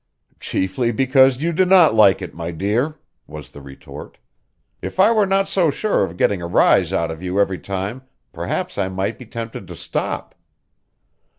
"Chiefly because you do not like it, my dear," was the retort. "If I were not so sure of getting a rise out of you every time, perhaps I might be tempted to stop."